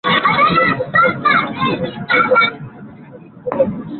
matokeo ya ndui Kipindi hicho kiliambatana na ukame Mvua ilikosa kunyesha kabisa miaka elfu